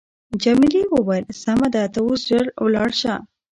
جميلې وويل: سمه ده ته اوس ژر ولاړ شه.